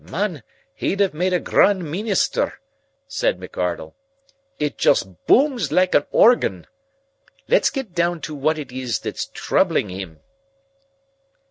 "Man, he'd have made a grand meenister," said McArdle. "It just booms like an organ. Let's get doun to what it is that's troubling him."